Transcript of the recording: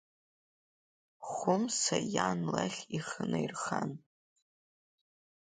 Хәымса иан лахь ихы наирхан…